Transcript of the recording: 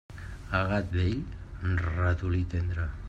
A gat vell, ratolí tendre.